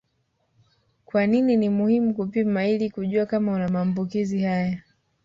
Kwa nini ni muhimu kupima ili kujua kama una maambukizi haya